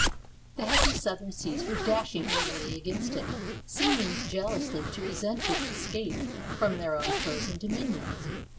The heavy southern seas were dashing angrily against it, seeming jealously to resent its escape from their own frozen dominions.